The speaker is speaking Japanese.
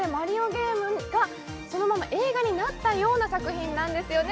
ゲームがそのまま映画になったような作品なんですよね？